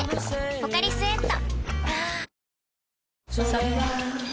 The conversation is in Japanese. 「ポカリスエット」